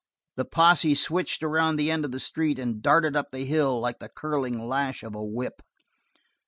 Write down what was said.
The posse switched around the end of the street and darted up the hill like the curling lash of a whip.